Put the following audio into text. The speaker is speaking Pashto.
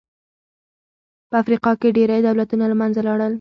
په افریقا کې ډېری دولتونه له منځه لاړل.